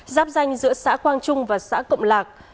giáp danh giữa xã quang trung và xã cộng lạc